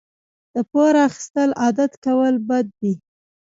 د پور اخیستل عادت کول بد دي.